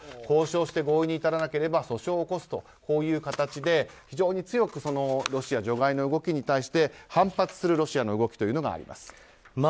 交渉して、合意に至らなければ訴訟を起こすというこういう形で非常に強くロシア除外の動きに対して反発するロシアの動きがあります。